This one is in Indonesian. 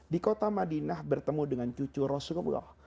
di kota madinah bertemu dengan cucu rasulullah